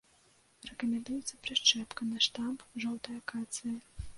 Рэкамендуецца прышчэпка на штамб жоўтай акацыі.